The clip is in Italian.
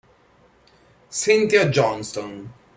Cynthia Johnston